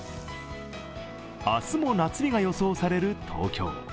明日も夏日が予想される東京。